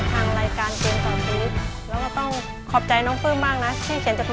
ต้องขอขอบคุณทางรายการเกมต่อชีวิต